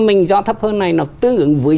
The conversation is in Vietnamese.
mình do thấp hơn này nó tương ứng với